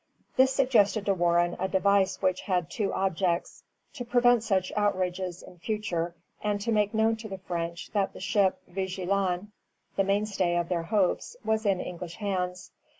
This suggested to Warren a device which had two objects, to prevent such outrages in future, and to make known to the French that the ship "Vigilant," the mainstay of their hopes, was in English hands.